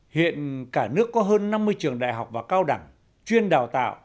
hiện cả nước có hơn năm mươi trường đại học và cao đẳng chuyên đào tạo